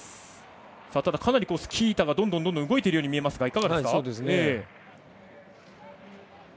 かなりスキー板がどんどん動いているように見えます。